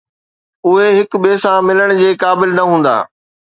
اهي هڪ ٻئي سان ملڻ جي قابل نه هوندا